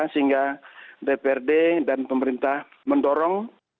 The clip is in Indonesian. sehingga dprd dan pemerintah mendorong